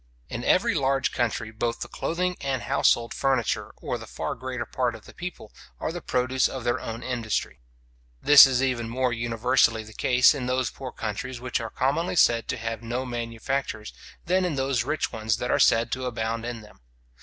In every large country both the clothing and household furniture or the far greater part of the people, are the produce of their own industry. This is even more universally the case in those poor countries which are commonly said to have no manufactures, than in those rich ones that are said to abound in them.